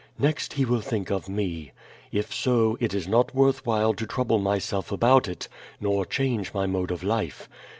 "Next he will think of me. If so, it is not worth while to trouble myself about it, nor change my mode of life.